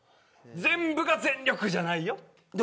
全部が全力じゃないよって。